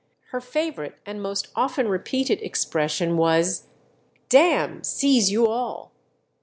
Her favourite and most often repeated expression was, "D n seize you all."